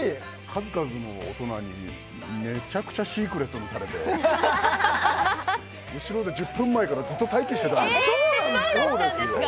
数々の大人にめちゃくちゃシークレットにされて後ろで１０分前からずっと待機してたんですそうなんですか！？